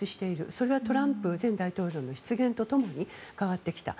それがトランプ前大統領の出現とともに変わってきた。